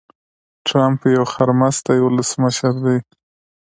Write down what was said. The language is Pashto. ټرمپ يو خرمستی ولسمشر دي.